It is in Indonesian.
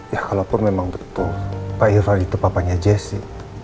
ya kalaupun memang betul pak irvan itu papanya jesse